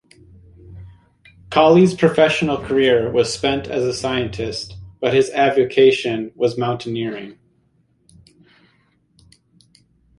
Collie's professional career was spent as a scientist but his avocation was mountaineering.